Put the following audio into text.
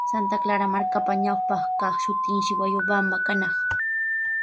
Santa Clara markapa ñawpa kaq shutinshi Huayobamba kanaq.